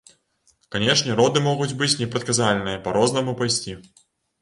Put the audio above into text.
Канечне, роды могуць быць непрадказальныя, па рознаму пайсці.